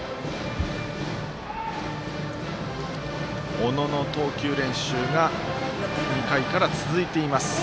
小野の投球練習が２回から続いています。